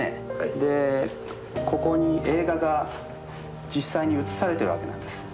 でここに映画が実際に映されてるわけなんです。